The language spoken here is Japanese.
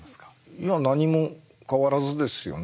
いや何も変わらずですよね。